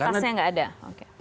batasnya tidak ada oke